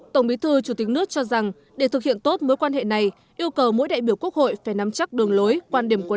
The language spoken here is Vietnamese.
tổng bí thư chủ tịch nước tổng bí thư chủ tịch nước tổng bí thư chủ tịch nước tổng bí thư chủ tịch nước